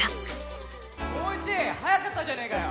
早かったじゃねえかよ。